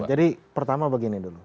jadi pertama begini dulu